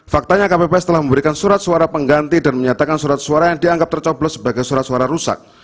faktanya kpps telah memberikan surat suara pengganti dan menyatakan surat suara yang dianggap tercoblos sebagai surat suara rusak